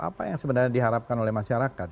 apa yang sebenarnya diharapkan oleh masyarakat